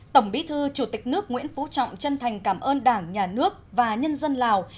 tổng bí thư chủ tịch nước nguyễn phú trọng chân thành cảm ơn đảng nhà nước và nhân dân lào